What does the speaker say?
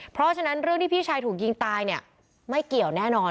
เพราะฉะนั้นเรื่องที่พี่ชายถูกยิงตายเนี่ยไม่เกี่ยวแน่นอน